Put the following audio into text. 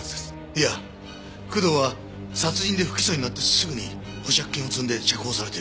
いや工藤は殺人で不起訴になってすぐに保釈金を積んで釈放されてる。